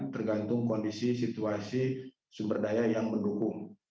tergantung kondisi situasi sumber daya yang mendukung